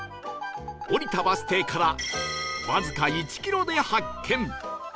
降りたバス停からわずか１キロで発見